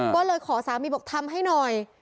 ก็เลยขอสามีบอกทำให้หน่อย